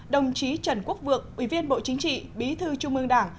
đồng chí trần quốc vượng ubkt bí thư trung ương đảng